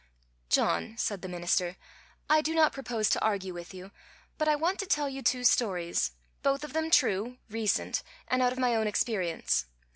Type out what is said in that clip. '" "John," said the minister, "I do not propose to argue with you, but I want to tell you two stories, both of them true, recent, and out of my own experience.